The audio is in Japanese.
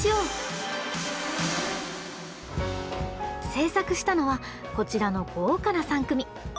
制作したのはこちらの豪華な３組！